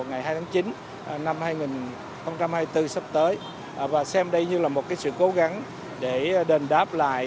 ngày hai tháng chín năm hai nghìn hai mươi bốn sắp tới và xem đây như là một sự cố gắng để đền đáp lại